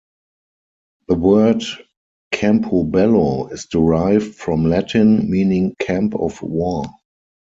The word Campobello is derived from Latin, meaning "camp of war".